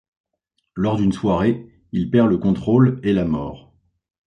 Lors d'une soirée, il perd le contrôle et la mord.